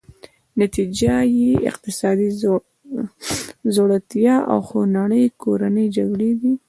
نتیجه یې اقتصادي ځوړتیا او خونړۍ کورنۍ جګړې دي.